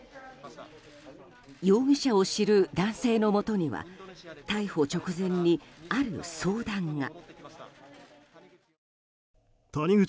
容疑者を知る男性のもとには逮捕直前に、ある相談が。